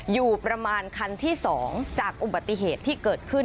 อยู่ประมาณคันที่๒จากอุบัติเหตุที่เกิดขึ้น